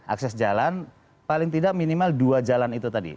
akses jalan paling tidak minimal dua jalan itu tadi